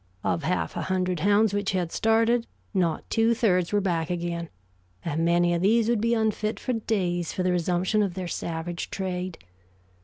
Of half a hundred hounds which had started, not two thirds were back again, and many of these would be unfit for days for the resumption of their savage trade.